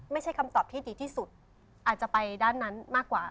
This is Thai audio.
ไม่ใช่คำตอบที่ดีที่สุดอาจจะไปด้านนั้นมากกว่า